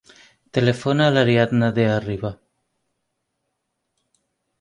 Telefona a l'Ariadna De Arriba.